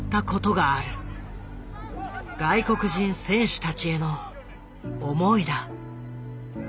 外国人選手たちへの思いだ。